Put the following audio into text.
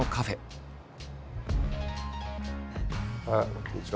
こんにちは！